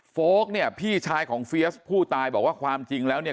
โก๊กเนี่ยพี่ชายของเฟียสผู้ตายบอกว่าความจริงแล้วเนี่ย